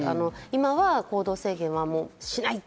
今は行動制限はしない。